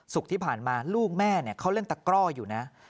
ที่ผ่านมาลูกแม่เขาเล่นตะกร่ออยู่นะ